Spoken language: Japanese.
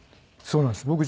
そうなんです。